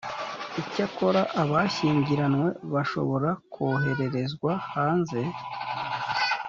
icyakora abashyingiranwe bashobora koherezwa hanze